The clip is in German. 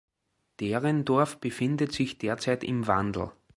Derendorf befindet sich derzeit im Wandel.